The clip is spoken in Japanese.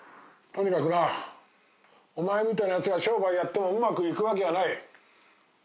とにかくなお前みたいなやつが商売やってもうまくいくわけがない。